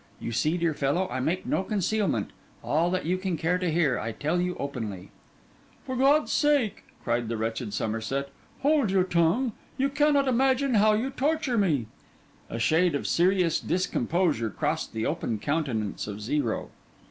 You see dear fellow, I make no concealment: all that you can care to hear, I tell you openly.' 'For God's sake,' cried the wretched Somerset, 'hold your tongue! You cannot imagine how you torture me!' A shade of serious discomposure crossed the open countenance of Zero.